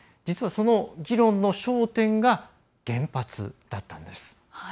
実は、その議論の焦点が原発だったんです。